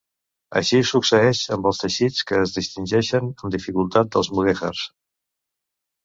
Així succeeix amb els teixits que es distingeixen amb dificultat dels mudèjars.